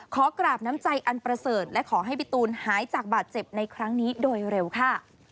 ขอกราบน้ำใจอันประเสริฐและขอให้พี่ตูนหายจากบาดเจ็บในครั้งนี้โดยเร็วค่ะ